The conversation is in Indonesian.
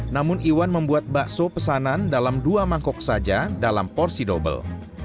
namun iwan membuat bakso pesanan dalam dua mangkok saja dalam porsi dobel